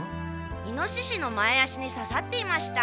イノシシの前足にささっていました。